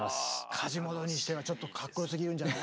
カジモドにしてはちょっとかっこよすぎるんじゃない？